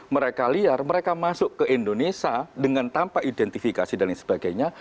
mereka liar mereka masuk ke indonesia dengan tanpa identifikasi dan lain sebagainya